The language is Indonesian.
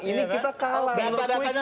ini kita kalah